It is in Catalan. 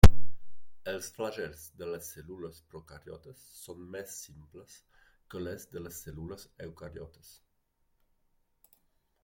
Els flagels de les cèl·lules procariotes són més simples que les de les cèl·lules eucariotes.